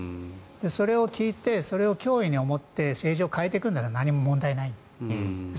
それを聞いてそれを脅威に思って政治を変えていくなら何も問題ないんです。